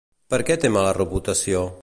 Per què té mala reputació?